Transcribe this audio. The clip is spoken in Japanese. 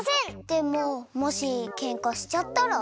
でももしケンカしちゃったら？